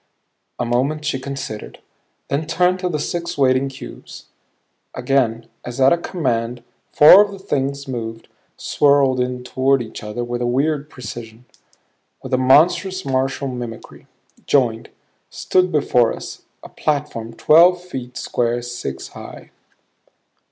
A moment she considered; then turned to the six waiting cubes. Again as at a command four of the things moved, swirled in toward each other with a weird precision, with a monstrous martial mimicry; joined; stood before us, a platform twelve feet square, six high.